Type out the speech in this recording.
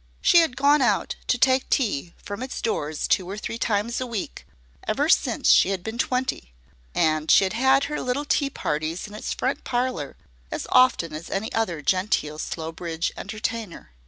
She had gone out, to take tea, from its doors two or three times a week, ever since she had been twenty; and she had had her little tea parties in its front parlor as often as any other genteel Slowbridge entertainer.